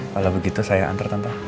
kalau begitu saya antar tentah